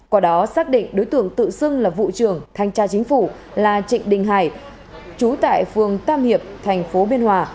qua đó xác định đối tượng tự xưng là vụ trưởng thanh tra chính phủ là trịnh đình hải trú tại phường tam hiệp tp biên hòa